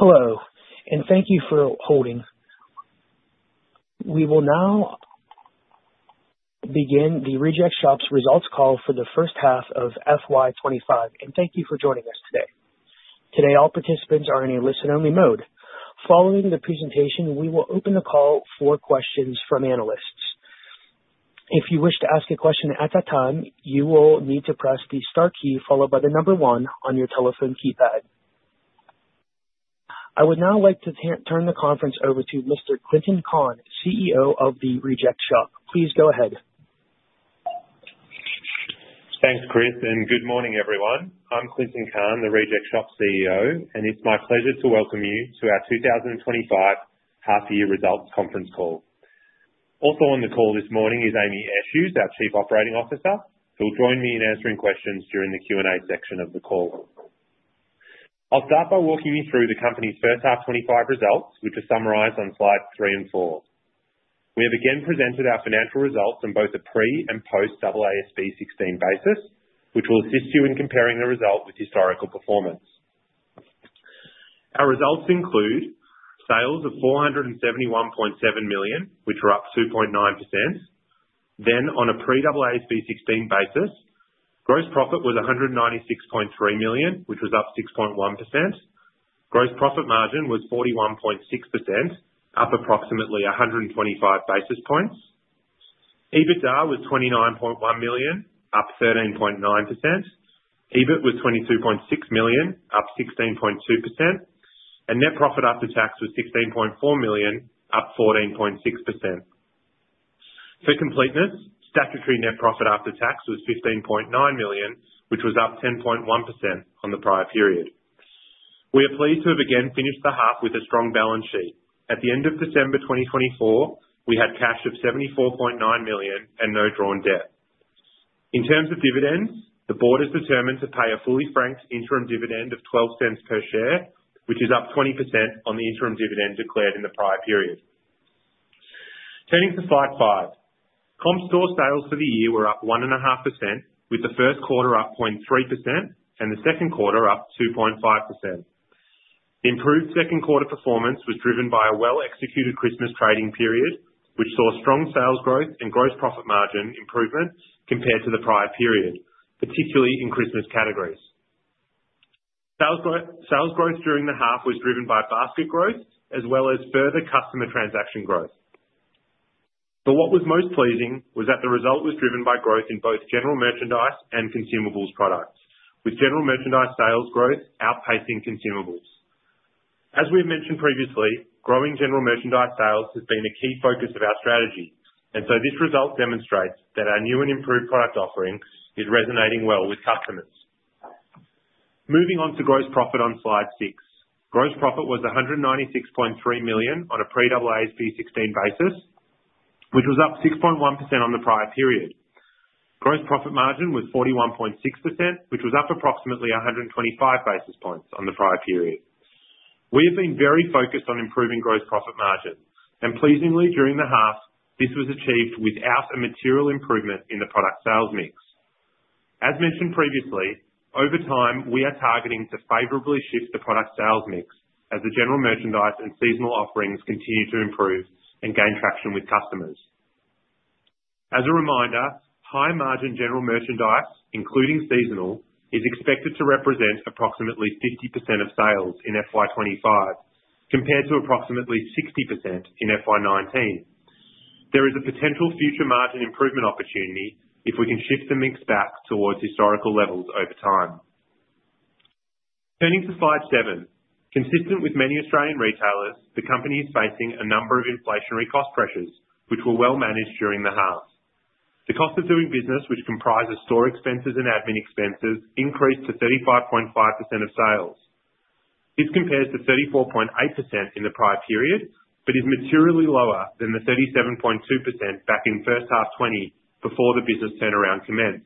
Hello, and thank you for holding. We will now begin The Reject Shop's results call for the first half of FY25, and thank you for joining us today. Today, all participants are in a listen-only mode. Following the presentation, we will open the call for questions from analysts. If you wish to ask a question at that time, you will need to press the star key followed by the number one on your telephone keypad. I would now like to turn the conference over to Mr. Clinton Cahn, CEO of The Reject Shop. Please go ahead. Thanks, Chris, and good morning, everyone. I'm Clinton Cahn, The Reject Shop CEO, and it's my pleasure to welcome you to our 2025 half-year results conference call. Also on the call this morning is Amy Eshuys, our Chief Operating Officer, who will join me in answering questions during the Q&A section of the call. I'll start by walking you through the company's first half 2025 results, which are summarized on slides three and four. We have again presented our financial results on both a pre- and post-AASB 16 basis, which will assist you in comparing the result with historical performance. Our results include sales of 471.7 million, which are up 2.9%. On a pre-AASB 16 basis, gross profit was 196.3 million, which was up 6.1%. Gross profit margin was 41.6%, up approximately 125 basis points. EBITDA was 29.1 million, up 13.9%. EBIT was 22.6 million, up 16.2%. Net profit after tax was 16.4 million, up 14.6%. For completeness, statutory net profit after tax was 15.9 million, which was up 10.1% on the prior period. We are pleased to have again finished the half with a strong balance sheet. At the end of December 2024, we had cash of AUD 74.9 million and no drawn debt. In terms of dividends, the board has determined to pay a fully franked interim dividend of 0.12 per share, which is up 20% on the interim dividend declared in the prior period. Turning to slide five, comp store sales for the year were up 1.5%, with the first quarter up 0.3% and the second quarter up 2.5%. Improved second quarter performance was driven by a well-executed Christmas trading period, which saw strong sales growth and gross profit margin improvement compared to the prior period, particularly in Christmas categories. Sales growth during the half was driven by basket growth as well as further customer transaction growth. What was most pleasing was that the result was driven by growth in both general merchandise and consumables products, with general merchandise sales growth outpacing consumables. As we have mentioned previously, growing general merchandise sales has been a key focus of our strategy, and this result demonstrates that our new and improved product offering is resonating well with customers. Moving on to gross profit on slide six, gross profit was 196.3 million on a pre-AASB 16 basis, which was up 6.1% on the prior period. Gross profit margin was 41.6%, which was up approximately 125 basis points on the prior period. We have been very focused on improving gross profit margin, and pleasingly, during the half, this was achieved without a material improvement in the product sales mix. As mentioned previously, over time, we are targeting to favorably shift the product sales mix as the general merchandise and seasonal offerings continue to improve and gain traction with customers. As a reminder, high-margin general merchandise, including seasonal, is expected to represent approximately 50% of sales in FY2025 compared to approximately 60% in FY2019. There is a potential future margin improvement opportunity if we can shift the mix back towards historical levels over time. Turning to slide seven, consistent with many Australian retailers, the company is facing a number of inflationary cost pressures, which were well managed during the half. The cost of doing business, which comprises store expenses and admin expenses, increased to 35.5% of sales. This compares to 34.8% in the prior period but is materially lower than the 37.2% back in first half 2020 before the business turnaround commenced.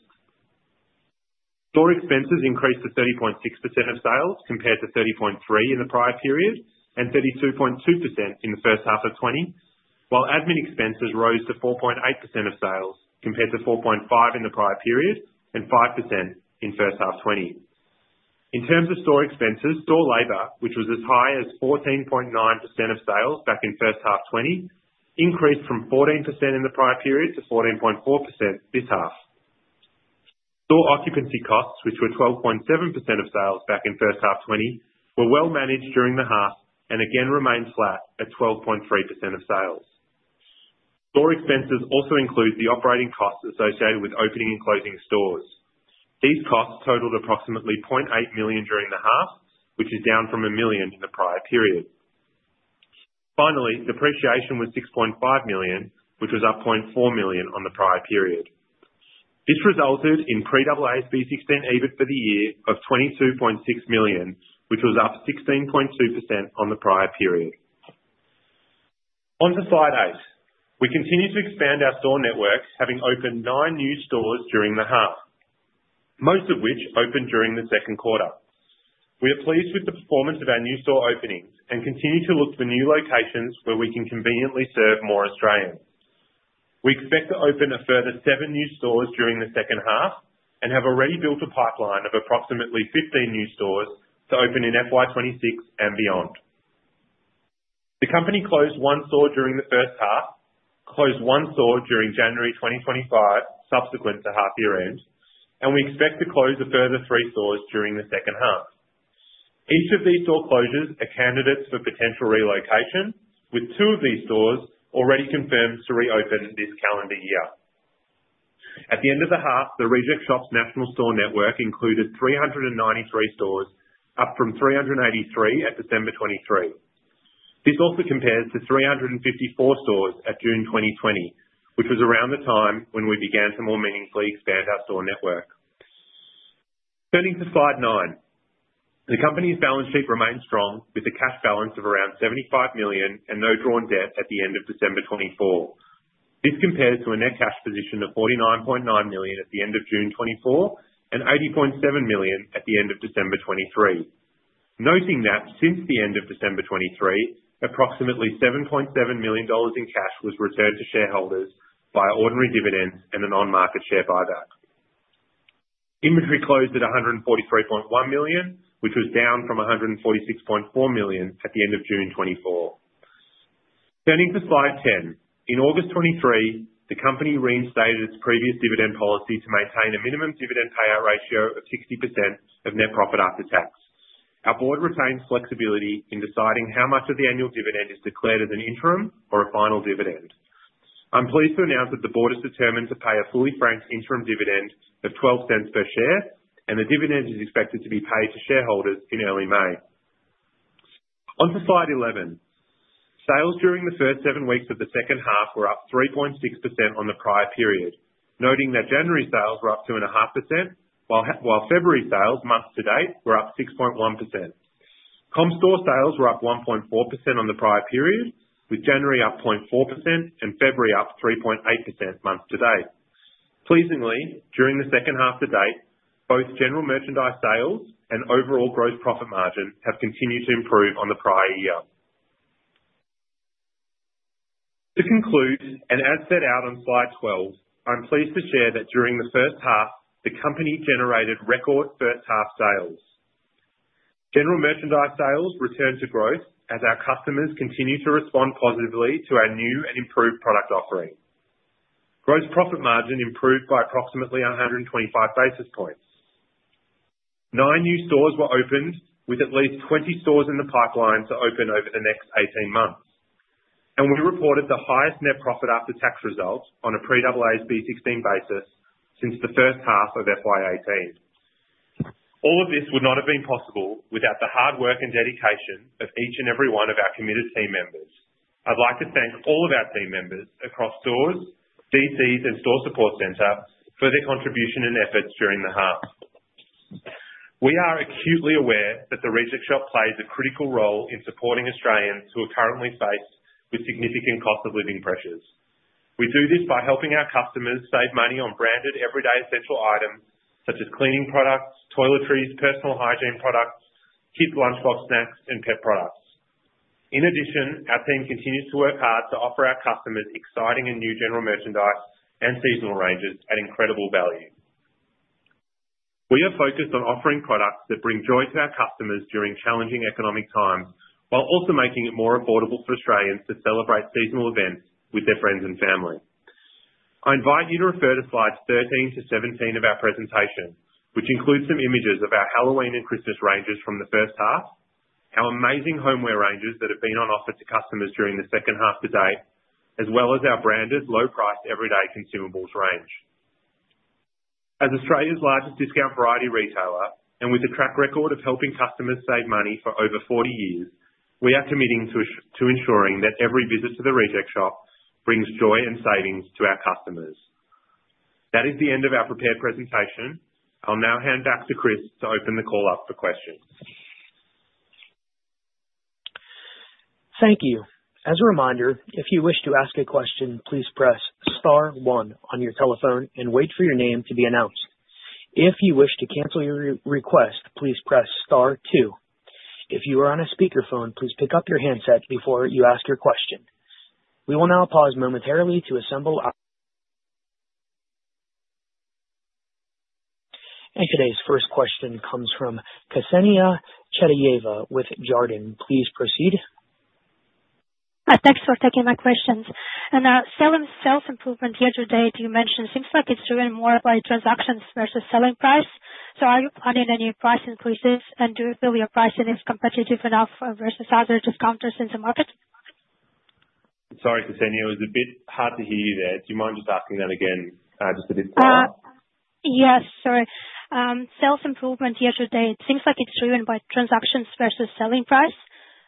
Store expenses increased to 30.6% of sales compared to 30.3% in the prior period and 32.2% in the first half of 2020, while admin expenses rose to 4.8% of sales compared to 4.5% in the prior period and 5% in first half 2020. In terms of store expenses, store labor, which was as high as 14.9% of sales back in first half 2020, increased from 14% in the prior period to 14.4% this half. Store occupancy costs, which were 12.7% of sales back in first half 2020, were well managed during the half and again remained flat at 12.3% of sales. Store expenses also include the operating costs associated with opening and closing stores. These costs totaled approximately 0.8 million during the half, which is down from 1 million in the prior period. Finally, depreciation was 6.5 million, which was up 0.4 million on the prior period. This resulted in pre-AASB 16 EBIT for the year of 22.6 million, which was up 16.2% on the prior period. Onto slide eight. We continue to expand our store network, having opened nine new stores during the half, most of which opened during the second quarter. We are pleased with the performance of our new store openings and continue to look for new locations where we can conveniently serve more Australians. We expect to open a further seven new stores during the second half and have already built a pipeline of approximately 15 new stores to open in FY2026 and beyond. The company closed one store during the first half, closed one store during January 2025 subsequent to half-year end, and we expect to close a further three stores during the second half. Each of these store closures are candidates for potential relocation, with two of these stores already confirmed to reopen this calendar year. At the end of the half, The Reject Shop's national store network included 393 stores, up from 383 at December 2023. This also compares to 354 stores at June 2020, which was around the time when we began to more meaningfully expand our store network. Turning to slide nine, the company's balance sheet remains strong with a cash balance of around AUD 75 million and no drawn debt at the end of December 2024. This compares to a net cash position of AUD 49.9 million at the end of June 2024 and AUD 80.7 million at the end of December 2023. Noting that since the end of December 2023, approximately 7.7 million dollars in cash was returned to shareholders via ordinary dividends and a non-market share buyback. Inventory closed at 143.1 million, which was down from 146.4 million at the end of June 2024. Turning to slide ten, in August 2023, the company reinstated its previous dividend policy to maintain a minimum dividend payout ratio of 60% of net profit after tax. Our board retains flexibility in deciding how much of the annual dividend is declared as an interim or a final dividend. I'm pleased to announce that the board has determined to pay a fully franked interim dividend of 0.12 per share, and the dividend is expected to be paid to shareholders in early May. Onto slide eleven, sales during the first seven weeks of the second half were up 3.6% on the prior period, noting that January sales were up 2.5%, while February sales, month-to-date, were up 6.1%. Comp store sales were up 1.4% on the prior period, with January up 0.4% and February up 3.8% month-to-date. Pleasingly, during the second half to date, both general merchandise sales and overall gross profit margin have continued to improve on the prior year. To conclude, and as set out on slide twelve, I'm pleased to share that during the first half, the company generated record first half sales. General merchandise sales returned to growth as our customers continue to respond positively to our new and improved product offering. Gross profit margin improved by approximately 125 basis points. Nine new stores were opened, with at least 20 stores in the pipeline to open over the next 18 months, and we reported the highest net profit after tax results on a pre-AASB 16 basis since the first half of 2018. All of this would not have been possible without the hard work and dedication of each and every one of our committed team members. I'd like to thank all of our team members across stores, DCs, and store support centers for their contribution and efforts during the half. We are acutely aware that The Reject Shop plays a critical role in supporting Australians who are currently faced with significant cost of living pressures. We do this by helping our customers save money on branded everyday essential items such as cleaning products, toiletries, personal hygiene products, kids' lunchbox snacks, and pet products. In addition, our team continues to work hard to offer our customers exciting and new general merchandise and seasonal ranges at incredible value. We are focused on offering products that bring joy to our customers during challenging economic times while also making it more affordable for Australians to celebrate seasonal events with their friends and family. I invite you to refer to slides 13 to 17 of our presentation, which includes some images of our Halloween and Christmas ranges from the first half, our amazing homeware ranges that have been on offer to customers during the second half to date, as well as our branded low-priced everyday consumables range. As Australia's largest discount variety retailer and with a track record of helping customers save money for over 40 years, we are committing to ensuring that every visit to The Reject Shop brings joy and savings to our customers. That is the end of our prepared presentation. I'll now hand back to Chris to open the call up for questions. Thank you. As a reminder, if you wish to ask a question, please press star one on your telephone and wait for your name to be announced. If you wish to cancel your request, please press star two. If you are on a speakerphone, please pick up your handset before you ask your question. We will now pause momentarily to assemble our... Today's first question comes from Ksenia Chetyeva with Jarden. Please proceed. Thanks for taking my questions. The sales improvement yesterday that you mentioned seems like it's driven more by transactions versus selling price. Are you planning any price increases, and do you feel your pricing is competitive enough versus other discounters in the market? Sorry, Ksenia, it was a bit hard to hear you there. Do you mind just asking that again just a bit further? Yes, sorry. Sales improvement yesterday, it seems like it's driven by transactions versus selling price.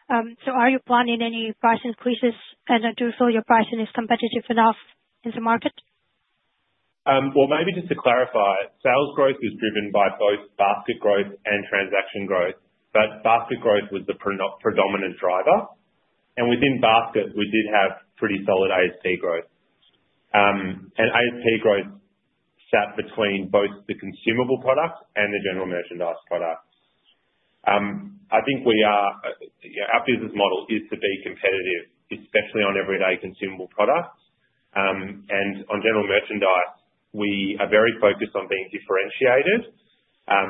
Are you planning any price increases, and do you feel your pricing is competitive enough in the market? Sales growth is driven by both basket growth and transaction growth, but basket growth was the predominant driver. Within basket, we did have pretty solid ASP growth. ASP growth sat between both the consumable product and the general merchandise product. I think our business model is to be competitive, especially on everyday consumable products. On general merchandise, we are very focused on being differentiated,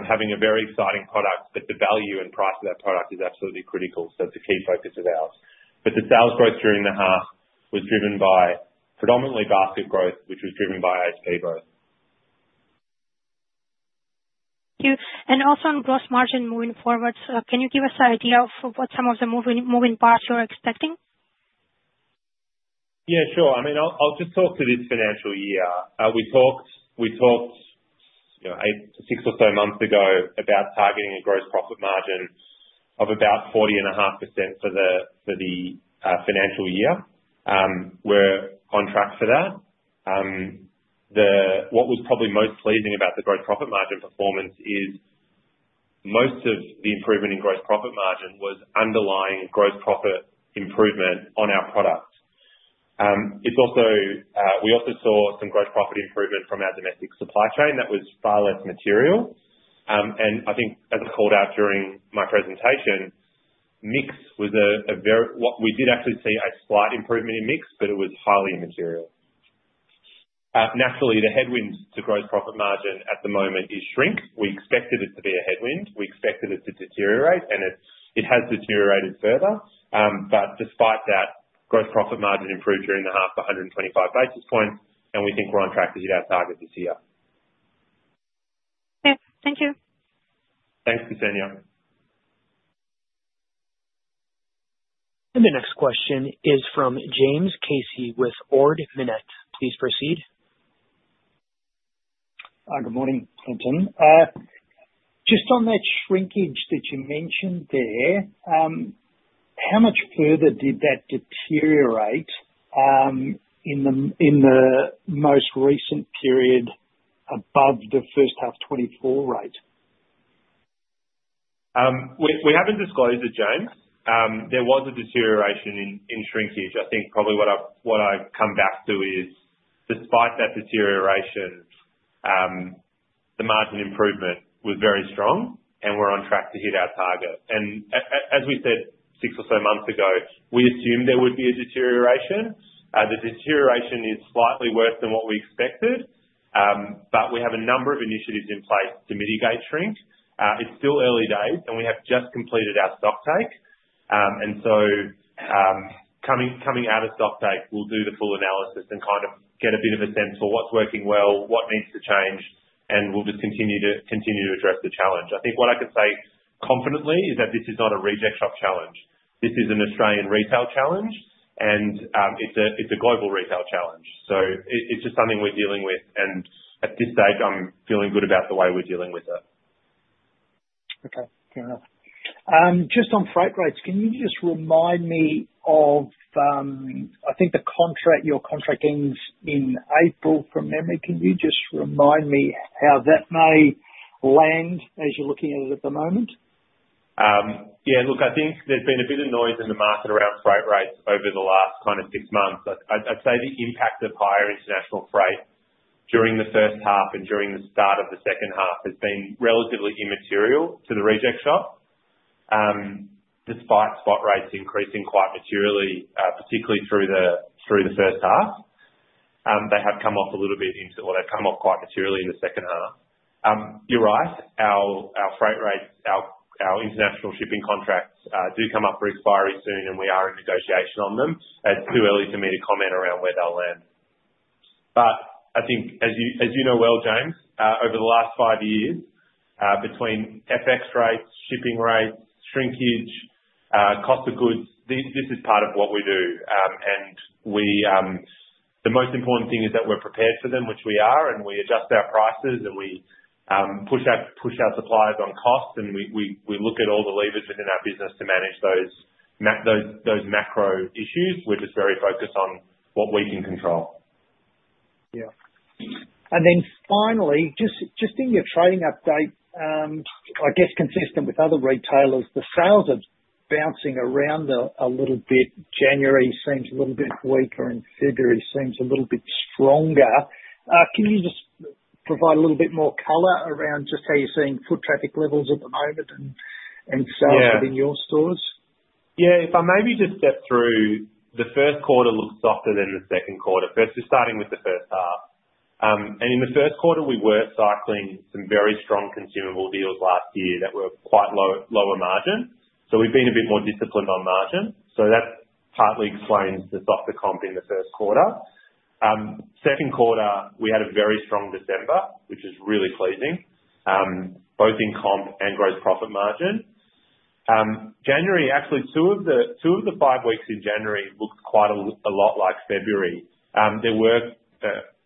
having a very exciting product, but the value and price of that product is absolutely critical. It is a key focus of ours. The sales growth during the half was driven by predominantly basket growth, which was driven by ASP growth. Thank you. Also, on gross margin moving forward, can you give us an idea of what some of the moving parts you're expecting? Yeah, sure. I mean, I'll just talk to this financial year. We talked eight to six or so months ago about targeting a gross profit margin of about 40.5% for the financial year. We're on track for that. What was probably most pleasing about the gross profit margin performance is most of the improvement in gross profit margin was underlying gross profit improvement on our product. We also saw some gross profit improvement from our domestic supply chain that was far less material. I think, as I called out during my presentation, mix was a very—we did actually see a slight improvement in mix, but it was highly immaterial. Naturally, the headwind to gross profit margin at the moment is shrink. We expected it to be a headwind. We expected it to deteriorate, and it has deteriorated further. Despite that, gross profit margin improved during the half by 125 basis points, and we think we're on track to hit our target this year. Okay. Thank you. Thanks, Ksenia. The next question is from James Casey with Ord Minnett. Please proceed. Hi, good morning, Clinton. Just on that shrinkage that you mentioned there, how much further did that deteriorate in the most recent period above the first half 2024 rate? We haven't disclosed it, James. There was a deterioration in shrinkage. I think probably what I come back to is, despite that deterioration, the margin improvement was very strong, and we're on track to hit our target. As we said six or so months ago, we assumed there would be a deterioration. The deterioration is slightly worse than what we expected, but we have a number of initiatives in place to mitigate shrink. It is still early days, and we have just completed our stocktake. Coming out of stocktake, we will do the full analysis and kind of get a bit of a sense for what's working well, what needs to change, and we will just continue to address the challenge. I think what I can say confidently is that this is not a Reject Shop challenge. This is an Australian retail challenge, and it is a global retail challenge. It's just something we're dealing with, and at this stage, I'm feeling good about the way we're dealing with it. Okay. Fair enough. Just on freight rates, can you just remind me of, I think, your contract ends in April, from memory. Can you just remind me how that may land as you're looking at it at the moment? Yeah. Look, I think there's been a bit of noise in the market around freight rates over the last kind of six months. I'd say the impact of higher international freight during the first half and during the start of the second half has been relatively immaterial to The Reject Shop, despite spot rates increasing quite materially, particularly through the first half. They have come off a little bit into—well, they've come off quite materially in the second half. You're right. Our freight rates, our international shipping contracts do come up for expiry soon, and we are in negotiation on them. It's too early for me to comment around where they'll land. I think, as you know well, James, over the last five years, between FX rates, shipping rates, shrinkage, cost of goods, this is part of what we do. The most important thing is that we're prepared for them, which we are, and we adjust our prices, and we push our suppliers on cost, and we look at all the levers within our business to manage those macro issues. We're just very focused on what we can control. Yeah. Finally, just in your trading update, I guess consistent with other retailers, the sales are bouncing around a little bit. January seems a little bit weaker, and February seems a little bit stronger. Can you just provide a little bit more color around just how you're seeing foot traffic levels at the moment and sales within your stores? Yeah. If I maybe just step through, the first quarter looked softer than the second quarter, just starting with the first half. In the first quarter, we were cycling some very strong consumable deals last year that were quite lower margin. We have been a bit more disciplined on margin. That partly explains the softer comp in the first quarter. Second quarter, we had a very strong December, which was really pleasing, both in comp and gross profit margin. January, actually, two of the five weeks in January looked quite a lot like February. There were,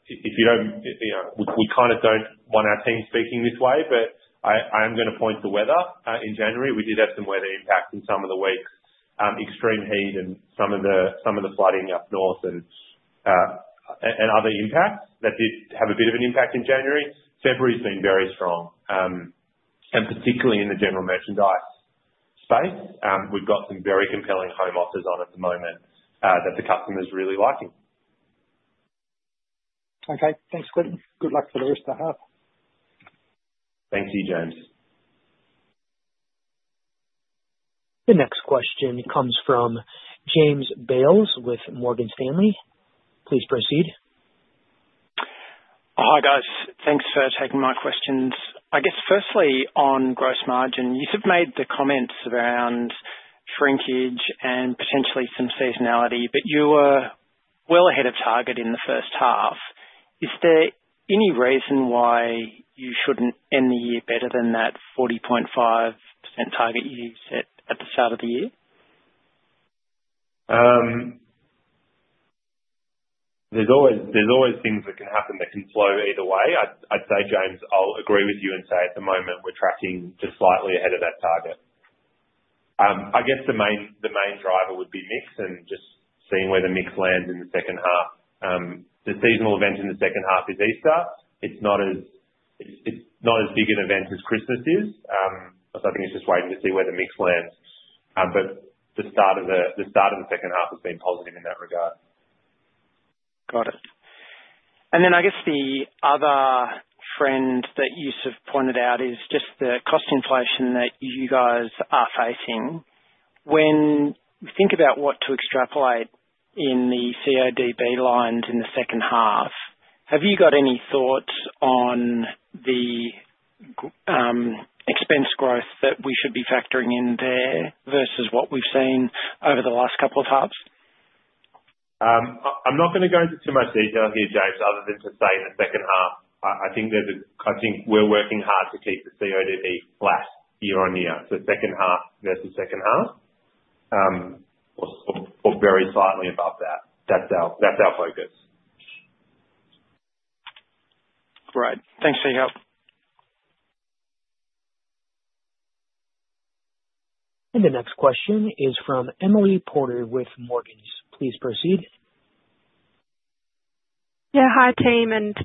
if you do not, we kind of do not want our team speaking this way, but I am going to point to weather. In January, we did have some weather impacts in some of the weeks, extreme heat and some of the flooding up north and other impacts that did have a bit of an impact in January. February's been very strong, and particularly in the general merchandise space. We've got some very compelling home offers on at the moment that the customer's really liking. Okay. Thanks, Clinton. Good luck for the rest of the half. Thank you, James. The next question comes from James Bales with Morgan Stanley. Please proceed. Hi, guys. Thanks for taking my questions. I guess, firstly, on gross margin, you sort of made the comments around shrinkage and potentially some seasonality, but you were well ahead of target in the first half. Is there any reason why you shouldn't end the year better than that 40.5% target you set at the start of the year? There's always things that can happen that can flow either way. I'd say, James, I'll agree with you and say at the moment we're tracking just slightly ahead of that target. I guess the main driver would be mix and just seeing where the mix lands in the second half. The seasonal event in the second half is Easter. It's not as big an event as Christmas is, so I think it's just waiting to see where the mix lands. The start of the second half has been positive in that regard. Got it. I guess the other trend that you sort of pointed out is just the cost inflation that you guys are facing. When you think about what to extrapolate in the CODB lines in the second half, have you got any thoughts on the expense growth that we should be factoring in there versus what we've seen over the last couple of halves? I'm not going to go into too much detail here, James, other than to say in the second half, I think we're working hard to keep the CODB flat year on year, so second half versus second half, or very slightly above that. That's our focus. Great. Thanks, Clint. The next question is from Emily Porter with Morgans. Please proceed. Yeah. Hi, team, and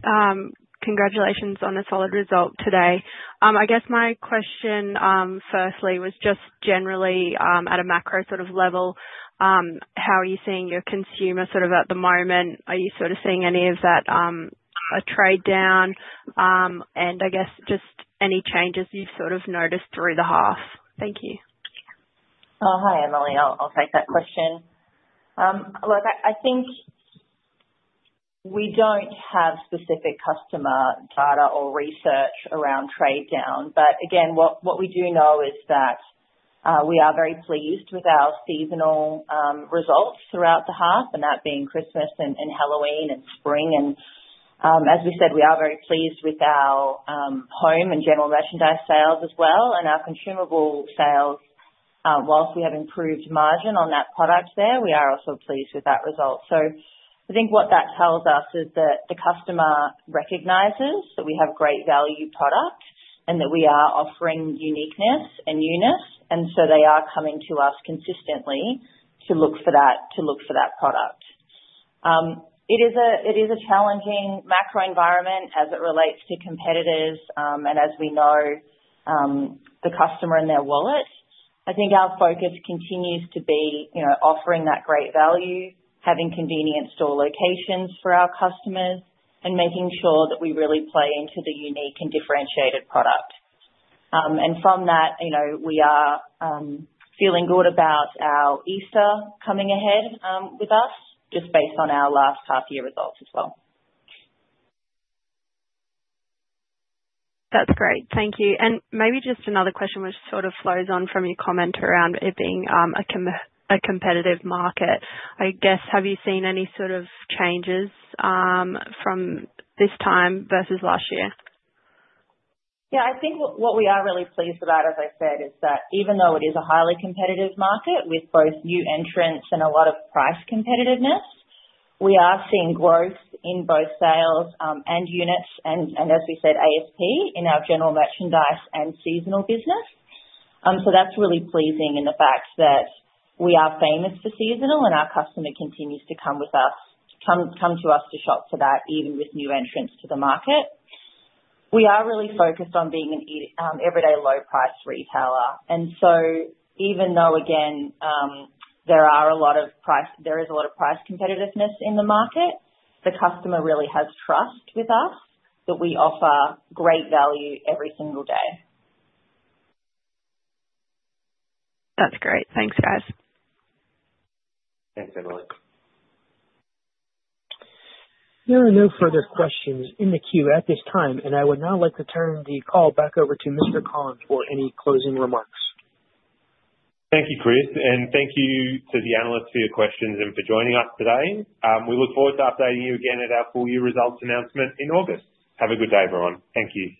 congratulations on a solid result today. I guess my question firstly was just generally at a macro sort of level, how are you seeing your consumer sort of at the moment? Are you sort of seeing any of that trade down? I guess just any changes you've sort of noticed through the half? Thank you. Oh, hi, Emily. I'll take that question. Look, I think we don't have specific customer data or research around trade down. What we do know is that we are very pleased with our seasonal results throughout the half, that being Christmas and Halloween and spring. As we said, we are very pleased with our home and general merchandise sales as well and our consumable sales. Whilst we have improved margin on that product there, we are also pleased with that result. I think what that tells us is that the customer recognizes that we have great value product and that we are offering uniqueness and newness, and they are coming to us consistently to look for that product. It is a challenging macro environment as it relates to competitors and, as we know, the customer and their wallet. I think our focus continues to be offering that great value, having convenient store locations for our customers, and making sure that we really play into the unique and differentiated product. From that, we are feeling good about our Easter coming ahead with us, just based on our last half-year results as well. That's great. Thank you. Maybe just another question which sort of flows on from your comment around it being a competitive market. I guess, have you seen any sort of changes from this time versus last year? Yeah. I think what we are really pleased about, as I said, is that even though it is a highly competitive market with both new entrants and a lot of price competitiveness, we are seeing growth in both sales and units and, as we said, ASP in our general merchandise and seasonal business. That is really pleasing in the fact that we are famous for seasonal and our customer continues to come to us to shop for that even with new entrants to the market. We are really focused on being an everyday low-price retailer. Even though, again, there is a lot of price competitiveness in the market, the customer really has trust with us that we offer great value every single day. That's great. Thanks, guys. Thanks, Emily. There are no further questions in the queue at this time, and I would now like to turn the call back over to Mr. Cahn for any closing remarks. Thank you, Chris, and thank you to the analysts for your questions and for joining us today. We look forward to updating you again at our full year results announcement in August. Have a good day, everyone. Thank you.